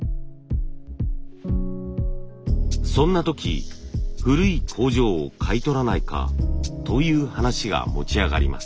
そんな時古い工場を買い取らないかという話が持ち上がります。